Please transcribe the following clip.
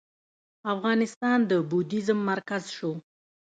افغانستان د بودیزم مرکز شو